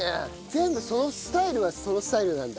全部そのスタイルはそのスタイルなんだ。